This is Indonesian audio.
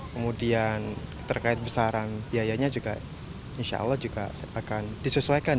kemudian terkait besaran biayanya juga insya allah juga akan disesuaikan